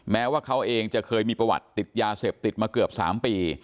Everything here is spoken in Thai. แม้ว่าเขาเองจะเคยมีประวัติติดยาเสพติดมาเกือบ๓ปี